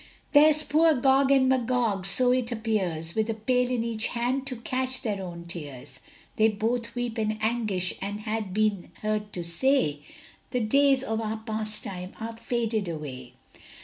There's poor Gog and Magog, so it appears, With a pail in each hand to catch their own tears, They both weep in anguish and been heard to say The days of our pastime are faded away.